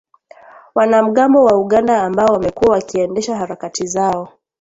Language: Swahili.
wanamgambo wa Uganda ambao wamekuwa wakiendesha harakati zao